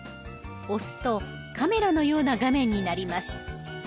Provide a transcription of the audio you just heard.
押すとカメラのような画面になります。